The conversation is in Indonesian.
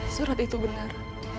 surat itu benar